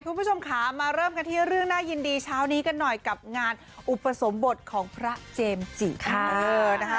คุณผู้ชมค่ะมาเริ่มกันที่เรื่องน่ายินดีเช้านี้กันหน่อยกับงานอุปสมบทของพระเจมส์จิค่ะ